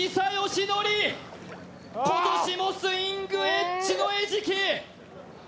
今年もスイングエッジの餌食。